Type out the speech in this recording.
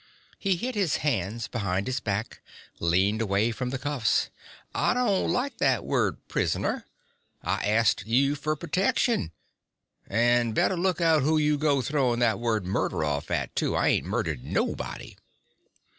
He hid his hands behind his back, leaned away from the cuffs. "I don't like that word 'prisoner'. I ast you fer pertection. And better look out who you go throwin' that word 'murder' off at, too. I ain't murdered nobody."